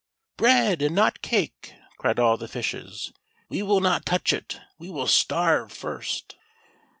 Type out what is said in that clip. "Bread and not cake," cried all the fishes; "we will not touch it, we will starve first."